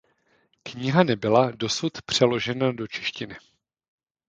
Kniha nebyla dosud přeložena do češtiny.